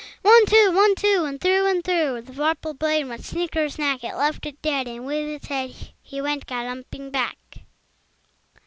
One, two! One, two! And through and through The vorpal blade went snicker snack! He left it dead, and with its head He went galumphing back.